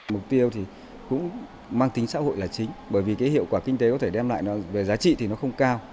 mục tiêu thì cũng mang tính xã hội là chính bởi vì cái hiệu quả kinh tế có thể đem lại nó về giá trị thì nó không cao